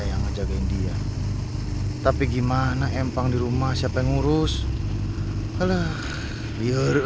yang ngajakin dia tapi gimana empang di rumah siapa yang ngurus ala biar eh